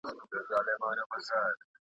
ټولنیزي مرستي د خصوصي سکتور لخوا ترسره کيدي.